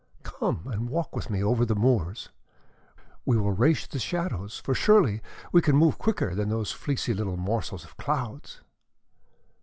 Come and walk with me over the moors. We will race the shadows, for surely we can move quicker than those fleecy little morsels of clouds!"